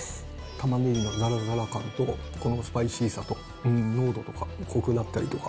たまねぎのざらざら感と、このスパイシーさと、濃度とかコクだったりとか。